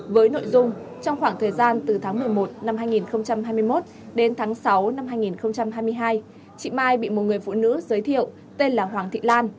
với nội dung trong khoảng thời gian từ tháng một mươi một năm hai nghìn hai mươi một đến tháng sáu năm hai nghìn hai mươi hai chị mai bị một người phụ nữ giới thiệu tên là hoàng thị lan